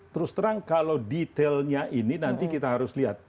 terus terang kalau detailnya ini nanti kita harus lihat